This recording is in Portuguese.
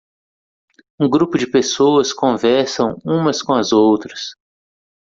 Um grupo de pessoas conversam umas com as outras.